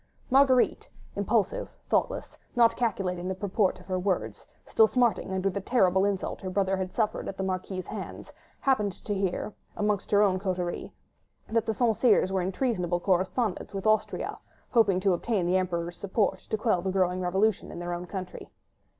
Marguerite, impulsive, thoughtless, not calculating the purport of her words, still smarting under the terrible insult her brother had suffered at the Marquis' hands, happened to hear—amongst her own coterie—that the St. Cyrs were in treasonable correspondence with Austria, hoping to obtain the Emperor's support to quell the growing revolution in their own country.